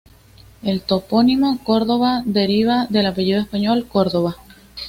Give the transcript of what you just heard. El topónimo Cordova deriva del apellido español Córdova.